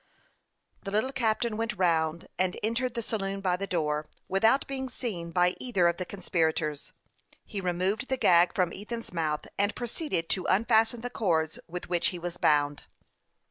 The little captain went round and entered the saloon by the door, without being seen by either of the conspirators. He removed the gag from Ethan's mouth, and proceeded to unfasten the cords with which he was bound.